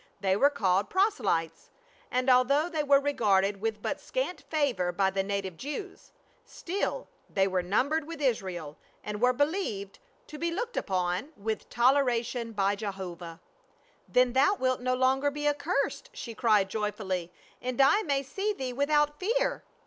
They were called proselytes, and although they were regarded with but scant favor by the native Jews, still they were numbered with Israel and were believed to be looked upon with toleration A FORBIDDEN VISIT. 83 by Jehovah. " Then thou wilt no longer be accursed," she cried joyfully, "and I may see thee without fear."